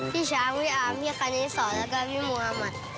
พี่ช้างพี่อามพี่คณิสสและก็พี่หมูอามาตย์